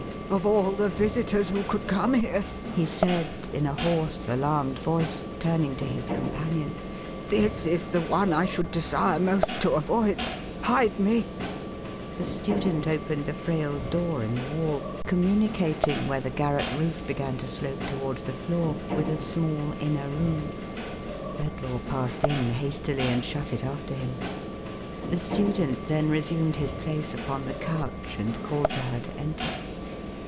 "Of all the visitors who could come here," he said, in a hoarse alarmed voice, turning to his companion, " this is the one I should desire most to avoid. Hide me !" The student opened a frail door in the wall, communicating where the garret roof began to slope towards the floor, with a small inner room. Redlaw passed in hastily, and shut it after him. The student then resumed his place upon the couch, and called to her to enter.